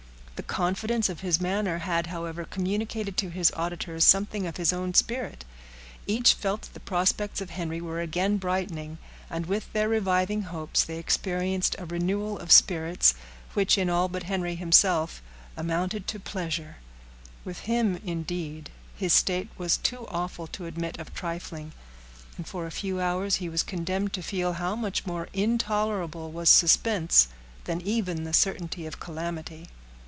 The confidence of his manner had, however, communicated to his auditors something of his own spirit. Each felt that the prospects of Henry were again brightening, and with their reviving hopes they experienced a renewal of spirits, which in all but Henry himself amounted to pleasure; with him, indeed, his state was too awful to admit of trifling, and for a few hours he was condemned to feel how much more intolerable was suspense than even the certainty of calamity.